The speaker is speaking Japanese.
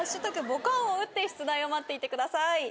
ボカーンを打って出題を待っていてください。